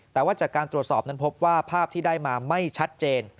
แต่ว่าจากการตรวจสอบนั้นพบว่าภาพที่ได้มาไม่ชัดเจน